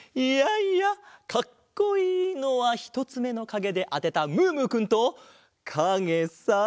いやいやかっこいいのはひとつめのかげであてたムームーくんとかげさ。